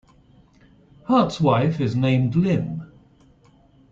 Hart's wife is named Lynne.